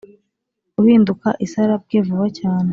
Uhinduka isarabwe vuba cyane